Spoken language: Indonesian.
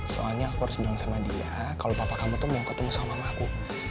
soalnya aku harus bilang sama dia kalau papa kamu tuh mau ketemu sama anakku